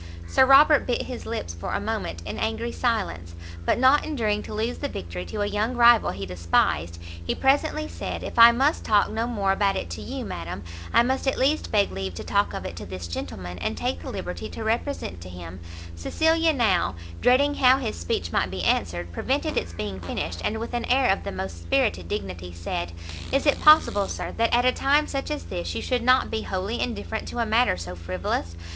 Sir Robert bit his lips for a moment in angry silence; but not enduring to lose the victory to a young rival he despised, he presently said, "If I must talk no more about it to you, madam, I must at least beg leave to talk of it to this gentleman, and take the liberty to represent to him " Cecilia now, dreading how his speech might be answered, prevented its being finished, and with an air of the most spirited dignity, said, "Is it possible, sir, that at a time such as this, you should not be wholly indifferent to a matter so frivolous?